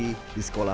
di sekolah sekolah